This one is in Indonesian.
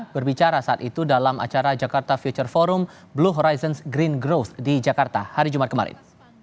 berbicara saat itu dalam acara jakarta future forum blue horizons green growth di jakarta hari jumat kemarin